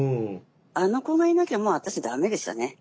あの子がいなきゃもう私駄目でしたね。